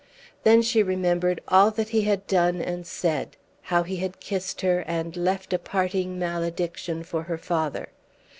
Then she remembered all that he had done and said; how he had kissed her, and left a parting malediction for her father.